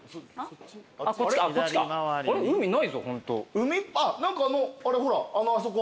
海何かあれほらあそこ。